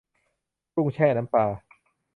กุ้งแช่น้ำปลา